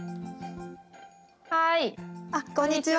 はい、こんにちは。